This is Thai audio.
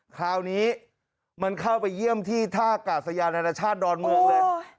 คราวนี้มันเข้าไปเยี่ยมที่ท่ากาศยานานาชาติดอนเมืองเลย